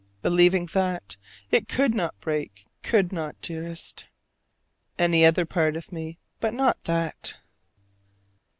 Believing that, it could not break, could not, dearest. Any other part of me, but not that.